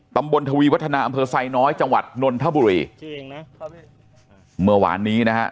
ตำบลทวีวัฒนาอำเภอไซน้อยจังหวัดนนทบุรีชื่อเองนะครับพี่เมื่อวานนี้นะฮะ